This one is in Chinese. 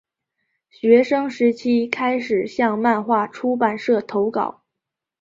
学生时期开始向漫画出版社投稿。